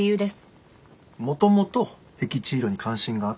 もともと僻地医療に関心があって。